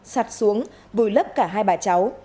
sạt xuống vùi lấp cả hai bà cháu